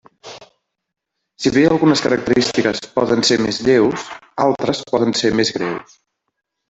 Si bé algunes característiques poden ser més lleus, altres poden ser més greus.